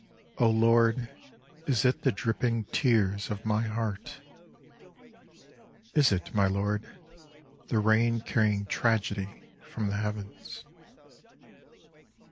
Oh Lord, is it the dripping tears of my heart ? Is it, my Lord, the rain carrying tragedy from the Heavens